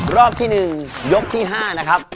รอบที่หนึ่งยกที่๕นะครับ